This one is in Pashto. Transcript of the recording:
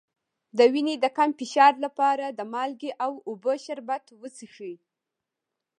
د وینې د کم فشار لپاره د مالګې او اوبو شربت وڅښئ